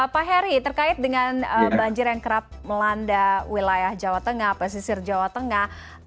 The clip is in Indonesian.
pak heri terkait dengan banjir yang kerap melanda wilayah jawa tengah pesisir jawa tengah